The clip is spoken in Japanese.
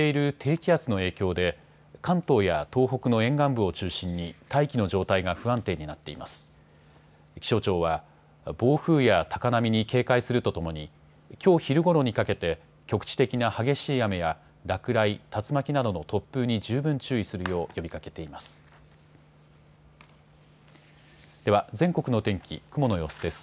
気象庁は暴風や高波に警戒するとともに、きょう昼ごろにかけて局地的な激しい雨や落雷、竜巻などの突風に十分注意するよう呼びかけています。